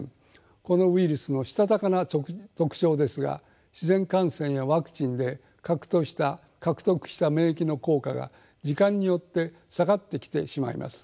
このウイルスのしたたかな特徴ですが自然感染やワクチンで獲得した免疫の効果が時間によって下がってきてしまいます。